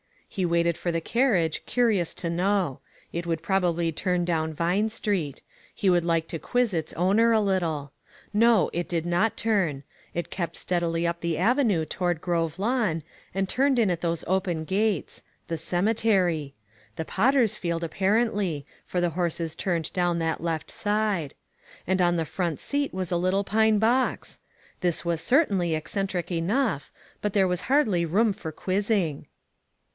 He waited for the carriage, curious to know ; it would probably turn down Vine Street; he would like to quiz its owner a little. No, it did not turn ; it kept steadily up the avenue toward Grove Lawn, and turned in at those open gates; the cemeterj' ! the potter's field, apparently, for the horses turned down that left side. And on the front seat was a little pine box I This was certainly eccentric enough, but there was hardly room for quizzing